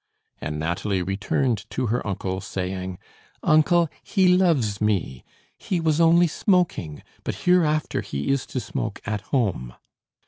And Nathalie returned to her uncle, saying: "Uncle, he loves me! He was only smoking, but hereafter he is to smoke at home."